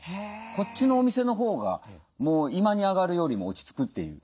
こっちのお店のほうがもう居間に上がるよりも落ち着くっていう。